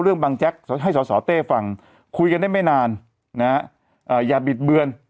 บางแจ๊กให้สอสอเต้ฟังคุยกันได้ไม่นานนะอย่าบิดเบือน